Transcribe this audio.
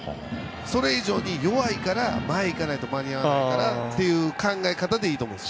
それ以上に、弱いから前に行かないと間に合わないかなっていう考え方でいいと思うんです。